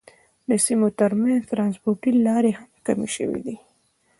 د سیمو تر منځ ترانسپورتي لارې هم کمې شوې دي.